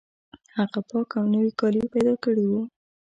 هغه پاک او نوي کالي پیدا کړي وو